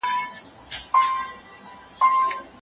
ټکنالوژي د راپور ورکولو بهير منظم کوي.